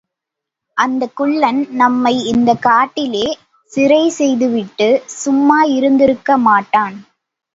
அந்தக் குள்ளன் நம்மை இந்தக் காட்டிலே சிறை செய்துவிட்டுச் சும்மா இருந்திருக்கமாட்டான்.